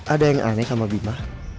ada yang aneh sama bima